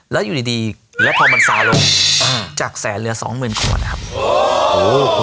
แล้วอยู่ดีแล้วพอมันซาลงจากแสนเหลือสองหมื่นขวดนะครับ